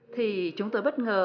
thì chúng tôi bất ngờ